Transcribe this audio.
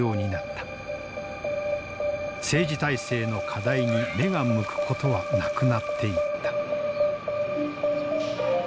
政治体制の課題に目が向くことはなくなっていった。